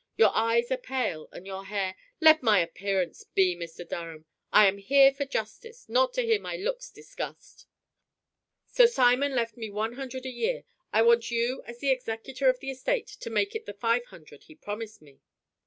"Your eyes are pale and your hair " "Let my appearance be, Mr. Durham. I am here for justice, not to hear my looks discussed. Sir Simon left me one hundred a year. I want you as the executor of the estate to make it the five hundred he promised me."